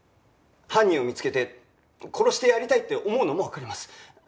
犯人を見つけて殺してやりたいって思うのもわかります。